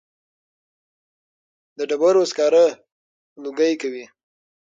د ډبرو سکاره لوګی کوي